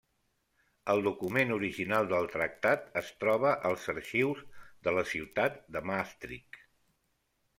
El document original del tractat es troba als arxius de la ciutat de Maastricht.